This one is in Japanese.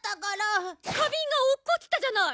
花瓶が落っこちたじゃない！